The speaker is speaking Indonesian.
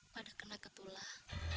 pada kena ketulah